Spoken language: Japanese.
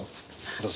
どうぞ。